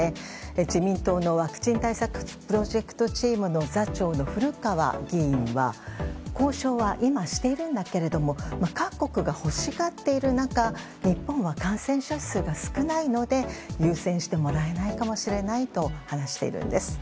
自民党のワクチン対策プロジェクトチームの座長の古川議員は交渉は今しているけれども各国が欲しがっている中日本は感染者数が少ないので優先してもらえないかもしれないと話しているんです。